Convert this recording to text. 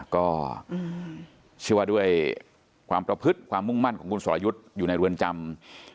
ก็เชื่อว่าด้วยความประพฤติความมุ่งมั่นของคุณสรยุทธ์อยู่ในเรือนจำ